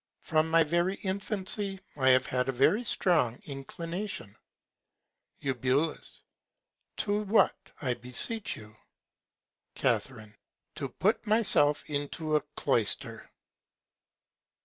From my very Infancy I have had a very strong Inclination. Eu. To what, I beseech you? Ca. To put myself into a Cloyster.